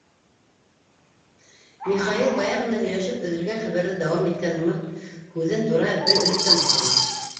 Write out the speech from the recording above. Михаил, бая ғына һөйләшеп өҙөлгән хәбәрҙе дауам иткән һымаҡ, һүҙен тура бер өҙөктән башланы.